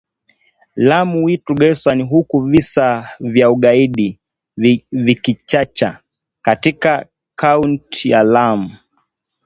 Lamu Witu Garsen huku visa vya ugaidi vikichacha katika kaunti ya Lamu